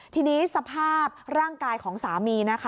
ทีนี้สภาพร่างกายของสามีนะคะ